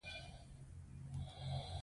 له نوي تمدن سره دښمني کوي.